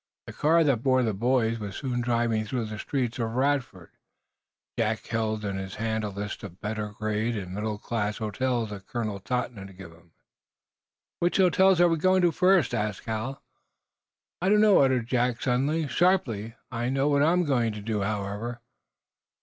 The car that bore the boys was soon driving through the streets of Radford. Jack held in his hand a list of the better grade and middle class hotels that Colonel Totten had given him. "Which hotel are we going to first?" asked Hal. "I don't know," uttered Jack, suddenly, sharply. "I know what I'm going to do, however."